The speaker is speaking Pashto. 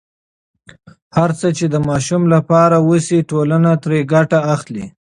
هره هڅه چې د ماشوم لپاره وشي، ټولنه ترې ګټه اخلي.